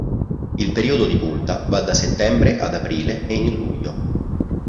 Il periodo di punta va da settembre ad aprile e in luglio.